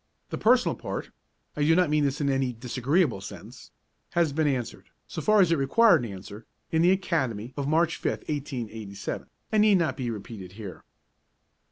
The personal part (I do not mean this in any disagreeable sense) has been answered, so far as it required an answer, in the Academy of March 5, 1887, and need not be repeated here.